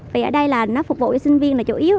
vì ở đây là nó phục vụ cho sinh viên là chủ yếu